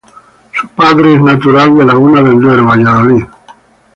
Su padre es natural de Laguna de Duero, Valladolid.